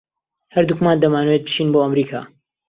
ھەردووکمان دەمانەوێت بچین بۆ ئەمریکا.